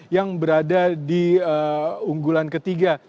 yang berada di unggulan ketiga